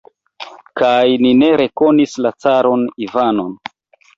Kaj ni ne rekonis la caron Ivanon!